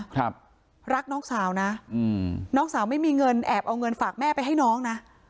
ครับรักน้องสาวนะอืมน้องสาวไม่มีเงินแอบเอาเงินฝากแม่ไปให้น้องนะ